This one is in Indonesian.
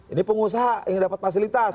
ini pengusaha yang dapat fasilitas